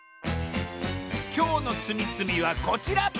きょうのつみつみはこちら！